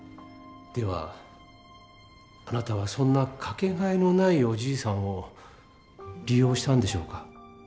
ではあなたはそんな掛けがえのないおじいさんを利用したんでしょうか？